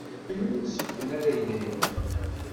Anwa ur sexfen ara yedrimen?